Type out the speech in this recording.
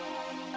aku mau ke rumah